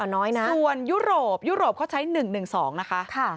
น้อยนะส่วนยุโรปยุโรปเขาใช้๑๑๒นะคะ